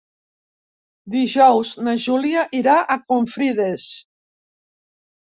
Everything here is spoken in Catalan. Dijous na Júlia irà a Confrides.